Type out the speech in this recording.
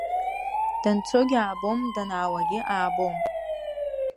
Данцогьы аабом, данаауагьы аабом.